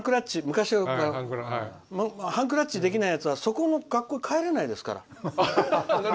半クラッチできないやつはそこの学校へ帰れないですから。